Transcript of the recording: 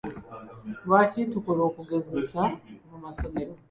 Lwaki tukola okugezesa mu masomero?